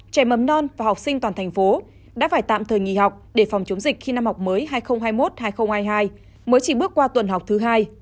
trẻ mầm non và học sinh toàn thành phố đã phải tạm thời nghỉ học để phòng chống dịch khi năm học mới hai nghìn hai mươi một hai nghìn hai mươi hai mới chỉ bước qua tuần học thứ hai